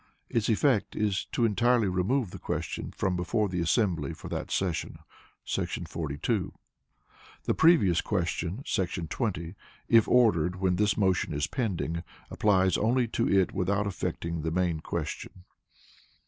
Its effect is to entirely remove the question from before the assembly for that session [§ 42]. The Previous Question [§ 20], if ordered when this motion is pending, applies only to it without affecting the main question.